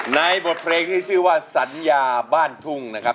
ในบทเพลงที่ชื่อว่าสัญญาบ้านทุ่งนะครับ